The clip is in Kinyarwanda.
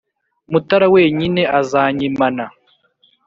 mutara wenyine azanyimana